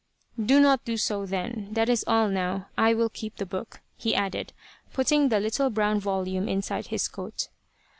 "Do not do so, then. That is all, now. I will keep the book," he added, putting the little brown volume inside his coat.